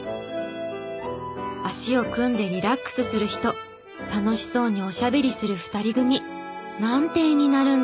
足を組んでリラックスする人楽しそうにおしゃべりする２人組。なんて絵になるんだ！